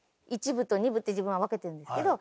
１部と２部って自分は分けてるんですけど。